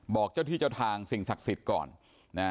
บอกเจ้าที่เจ้าทางสิ่งศักดิ์สิทธิ์ก่อนนะ